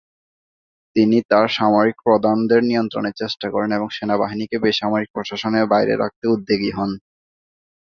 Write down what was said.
তিনি তার সামরিক প্রধানদের নিয়ন্ত্রণের চেষ্টা করেন এবং সেনাবাহিনীকে বেসামরিক প্রশাসনের বাইরে রাখতে উদ্যোগী হন।